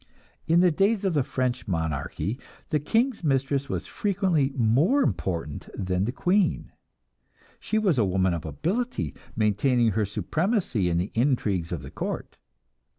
In the days of the French monarchy, the king's mistress was frequently more important than the queen; she was a woman of ability, maintaining her supremacy in the intrigues of the court.